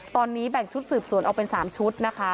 ตอนนี้แบ่งชุดสืบสวนเอาเป็นสามชุด